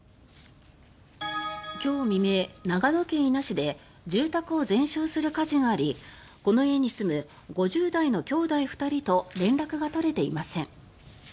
今日未明、長野県伊那市で住宅を全焼する火事がありこの家に住む５０代の兄弟２人と連絡が取れていません。